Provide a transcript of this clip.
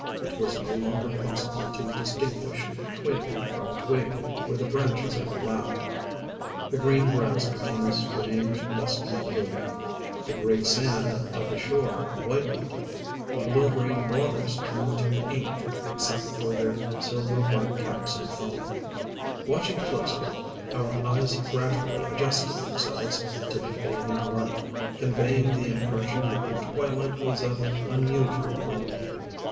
It was no longer possible to distinguish twig from twig where the branches overlapped. The green grass became a strange, dusky blue; the gray sand of the shore whitened; the blue green waters turned to ink except for their silver white caps of foam. Watching closely, our eyes gradually adjusted themselves to the fading light, conveying the impression that the twilight was of unusual length.